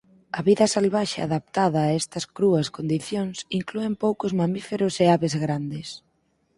A vida salvaxe adaptada a estas crúas condicións inclúen poucos mamíferos e aves grandes.